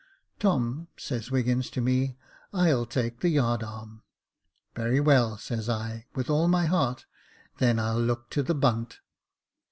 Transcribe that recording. "' Tom,' says Wiggins to me, * I'll take the yard arm.' "' Very well,' says I, * with all my heart, then I'll look to the bunt.'